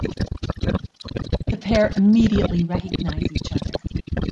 The pair immediately recognise each other.